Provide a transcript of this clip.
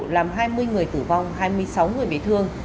làm hai mươi người tử vong hai mươi sáu người bị thương